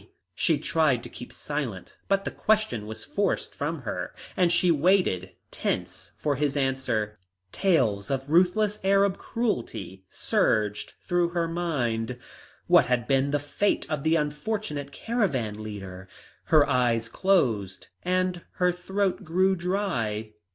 She tried to keep silent, but the question was forced from her, and she waited tense for his answer. Tales of ruthless Arab cruelty surged through her mind. What had been the fate of the unfortunate caravan leader? Her eyes closed and her throat grew dry.